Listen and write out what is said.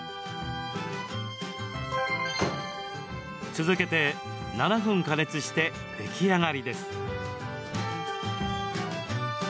続けて、７分加熱して出来上がりです。